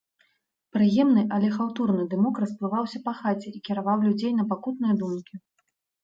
Прыемны, але хаўтурны дымок расплываўся па хаце і кіраваў людзей на пакутныя думкі.